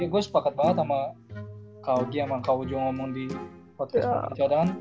gue sepakat banget sama kak uji kak ujo ngomong di podcast